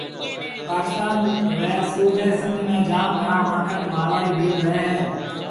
پاڪستان ري صُوبَي سنڌ ۾ جام گھڻا مڙکٽ (مارواڙي ڀيل) رهيَ هيَ